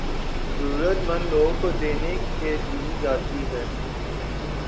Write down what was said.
ضرورت مند لوگوں کو دینے کے دی جاتی ہیں